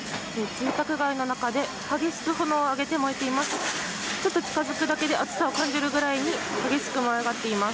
住宅街の中で激しく炎を上げて燃えています。